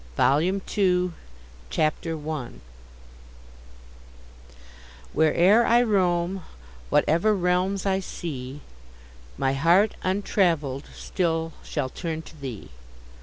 VOLUME 2 CHAPTER I Where'er I roam, whatever realms I see, My heart untravell'd still shall turn to thee.